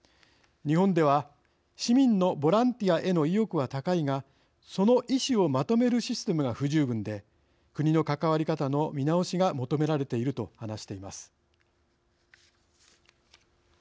日本では市民のボランティアへの意欲は高いがその意思をまとめるシステムが不十分で国の関わり方の見直しが求められている」と話しています。